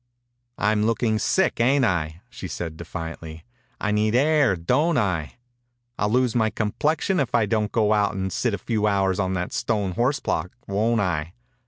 "I'm looking sick, ain't I?" she said, defiantly. «I need air, don't I? I'll lose my com plexion if I don't go out and sit a few hours on that stone horse block, won't I?